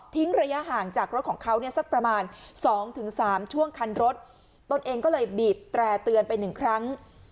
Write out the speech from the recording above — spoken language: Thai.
ระยะห่างจากรถของเขาเนี่ยสักประมาณ๒๓ช่วงคันรถตนเองก็เลยบีบแตร่เตือนไปหนึ่งครั้ง